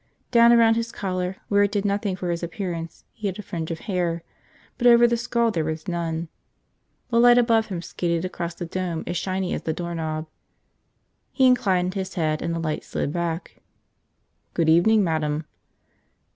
Down around his collar where it did nothing for his appearance he had a fringe of hair, but over the skull there was none. The light above him skated across a dome as shiny as the doorknob. He inclined his head and the light slid back. "Good evening, Madam."